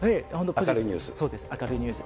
明るいニュース。